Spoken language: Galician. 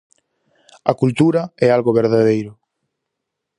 A cultura é algo verdadeiro.